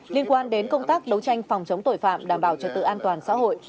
liên quan đến công tác đấu tranh phòng chống tội phạm đảm bảo trật tự an toàn xã hội